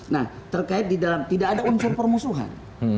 nah terkait di dalam tidak ada unsur permusuhan